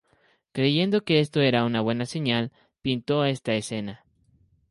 Creyendo que esto era una buena señal, pintó esta escena.